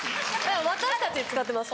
私たち使ってます。